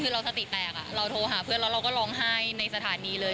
คือเราสติแตกเราโทรหาเพื่อนแล้วเราก็ร้องไห้ในสถานีเลย